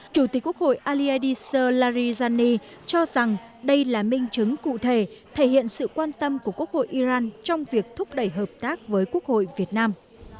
chủ tịch quốc hội alidiser larijani cho rằng đây là minh chứng cụ thể thể hiện sự quan tâm của quốc hội iran trong việc thúc đẩy hợp tác với quốc hội việt nam